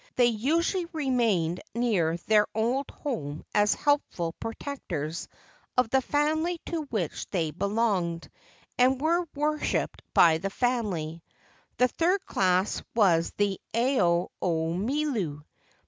They usually remained near their old home as helpful pro¬ tectors of the family to which they belonged, and were wor¬ shipped by the family. The third class was the Ao o Milu.